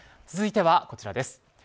続いては、こちらです。